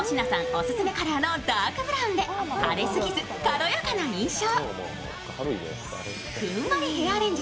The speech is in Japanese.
オススメカラーのダークブラウンで派手すぎず軽やかな印象。